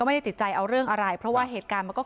ไม่ได้ติดใจเอาเรื่องอะไรเพราะว่าเหตุการณ์มันก็